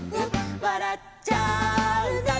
「わらっちゃうね」